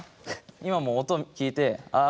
今も音を聞いてああ